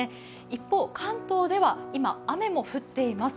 一方、関東では今、雨も降っています。